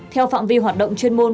theo phạm vi hoạt động chuyên môn